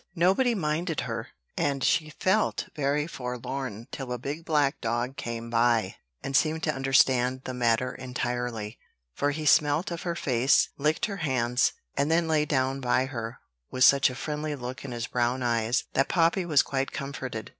Nobody minded her: and she felt very forlorn till a big black dog came by, and seemed to understand the matter entirely; for he smelt of her face, licked her hands, and then lay down by her with such a friendly look in his brown eyes that Poppy was quite comforted.